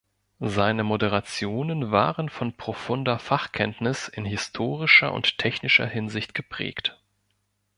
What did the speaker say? Seine Moderationen waren von profunder Fachkenntnis in historischer und technischer Hinsicht geprägt.